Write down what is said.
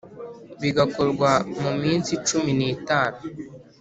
bigakorwa mu minsi cumi n itanu